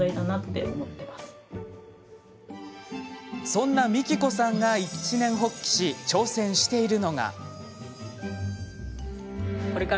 そんな、みきこさんが一念発起し挑戦しているのが。